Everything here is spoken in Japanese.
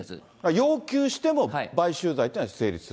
要求しても、買収罪というのは成立する？